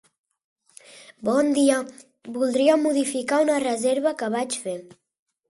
Bon dia, voldria modificar una reserva que vaig fer.